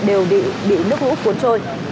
đều bị nước lũ cuốn trôi